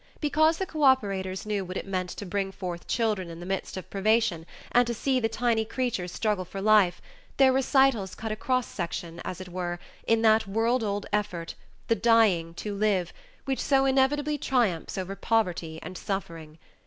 Because the cooperators knew what it meant to bring forth children in the midst of privation and to see the tiny creatures struggle for life, their recitals cut a cross section, as it were, in that world old effort the "dying to live" which so inevitably triumphs over poverty and suffering.